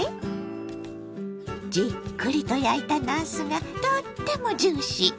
じっくりと焼いたなすがとってもジューシー。